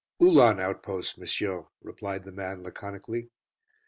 "Uhlan outposts, monsieur," replied the man laconically.